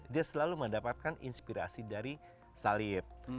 dia selalu mendapatkan inspirasi dari salib